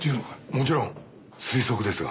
もちろん推測ですが。